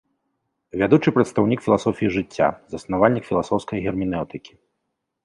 Вядучы прадстаўнік філасофіі жыцця, заснавальнік філасофскай герменеўтыкі.